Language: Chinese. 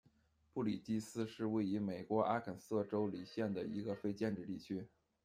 布里基斯是位于美国阿肯色州李县的一个非建制地区。